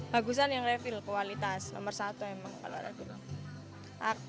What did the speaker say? bagusan yang refill kualitas nomor satu memang kalau refill